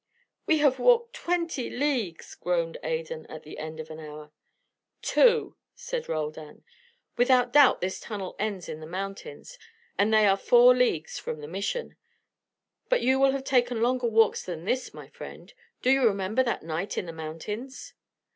"We have walked twenty leagues," groaned Adan, at the end of an hour. "Two," said Roldan. "Without doubt this tunnel ends at the mountains, and they are four leagues from the Mission. But you have taken longer walks than this, my friend. Do you remember that night in the mountains?"